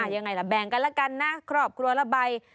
ยังไงล่ะแบ่งกันละกันนะครอบครัวละใบ